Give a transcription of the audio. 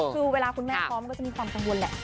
คือเวลาคุณแม่คลอดมันก็จะมีความข้างวนแหละ